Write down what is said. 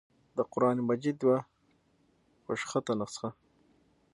دَقرآن مجيد يوه خوشخطه نسخه